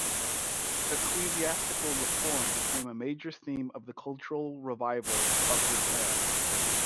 Ecclesiastical reform became a major theme of the cultural revival of this era.